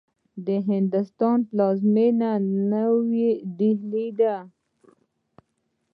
د هندوستان پلازمېنه نوې ډيلې دې.